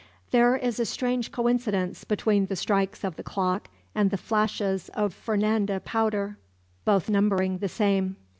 There is a strange coincidence between the strokes of the clock and the flashes of Fernanda powder both numbering the same.